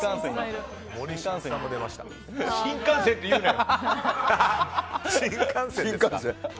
新幹線って言うなよ！